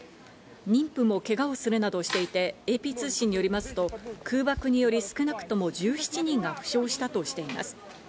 妊婦もけがをするなどしていて、ＡＰ通信によりますと、空爆により少なくとも１７人が負傷したとしています。